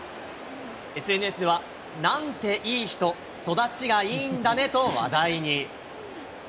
ＳＮＳでは、なんていい人、育ちがいいんだねと話題に。